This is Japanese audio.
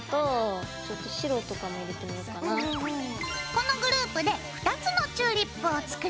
このグループで２つのチューリップを作ります。